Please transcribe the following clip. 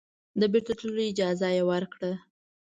د بیرته تللو اجازه یې ورکړه.